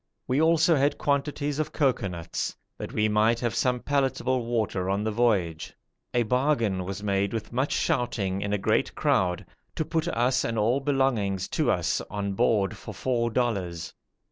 We also had quantities of cocoanuts, that we might have some palatable water on the voyage. A bargain was made with much shouting in a great crowd, to put us and all belonging to us on board for four dollars.